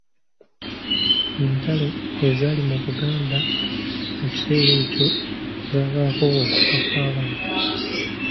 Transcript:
Entalo ezaali mu Buganda mu kiseera ekyo zaavaako okufa kw’abantu.